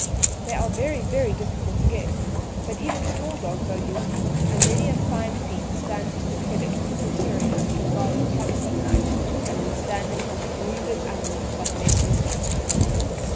They are very very difficult to get; but even small dogs are useful, and many a fine feat stands to the credit of little terriers in guarding camps at night and in standing off wounded animals that meant mischief.